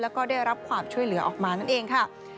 แล้วก็ได้รับความช่วยเหลือออกมานั่นเองค่ะ